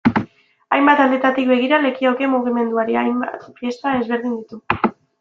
Hainbat aldetatik begira lekioke mugimenduari, hainbat pieza ezberdin ditu.